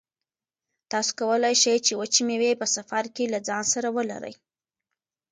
تاسو کولای شئ چې وچې مېوې په سفر کې له ځان سره ولرئ.